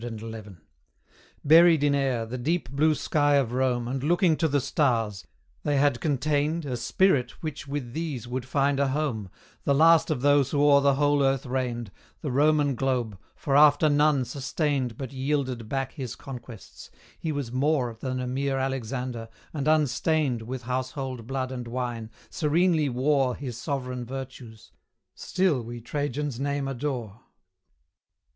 Buried in air, the deep blue sky of Rome, And looking to the stars; they had contained A spirit which with these would find a home, The last of those who o'er the whole earth reigned, The Roman globe, for after none sustained But yielded back his conquests: he was more Than a mere Alexander, and unstained With household blood and wine, serenely wore His sovereign virtues still we Trajan's name adore.